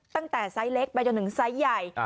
ตั้งแต่ไซส์เล็กไปจนถึงไซส์ใหญ่